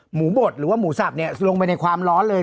บดหรือว่าหมูสับเนี่ยลงไปในความร้อนเลย